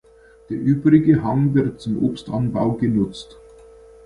Der übrige Hang wird zum Obstanbau genutzt.